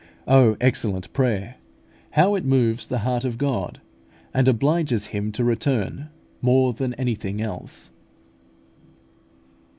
Oh, excellent prayer! How it moves the heart of God, and obliges Him to return more than anything else!